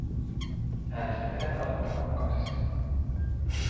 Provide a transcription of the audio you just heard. Äänestimme näin ollen tämän mukaisesti.